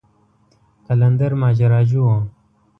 قلندر ماجراجو و.